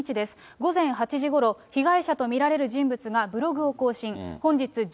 午前８時ごろ、被害者と見られる人物がブログを更新。